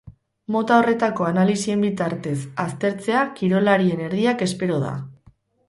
Mota horretako analisien bitartez aztertzea kirolarien erdiak espero da.